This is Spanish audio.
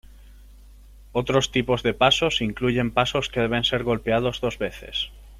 Otros tipos de pasos incluyen pasos que deben ser golpeados dos veces.